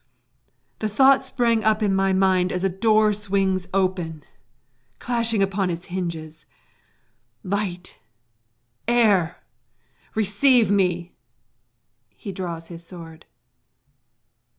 The thought sprang up in my mind as a door swings open, clashing upon its hinges; light, air, receive me! [_He draws his sword.